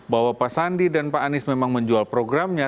bahwa pak sandi dan pak anies memang menjual programnya